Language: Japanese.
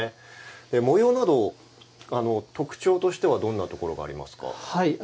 模様など、特徴としてはどんなところがありますか？